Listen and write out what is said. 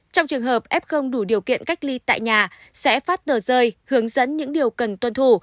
trong trường hợp f không đủ điều kiện cách ly tại nhà sẽ phát tờ rơi hướng dẫn những điều cần tuân thủ